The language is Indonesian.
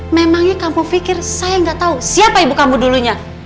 memangnya kamu pikir saya nggak tahu siapa ibu kamu dulunya